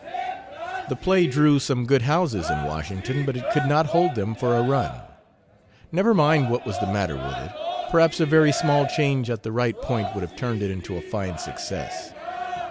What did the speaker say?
The play drew some good houses in Washington, but it could not hold them for a run. Never mind what was the matter with it; perhaps a very small change at the right point would have turned it into a fine success.